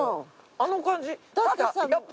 あの感じ。